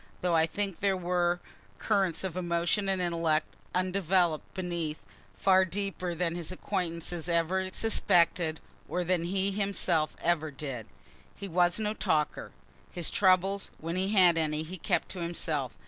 (Though I think there were currents of emotion and intellect undevelop'd beneath, far deeper than his acquaintances ever suspected or than he himself ever did.) He was no talker. His troubles, when he had any, he kept to himself.